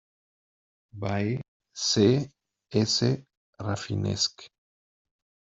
By C. S. Rafinesque.